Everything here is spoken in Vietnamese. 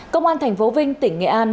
công an thành phố vinh tỉnh nghệ an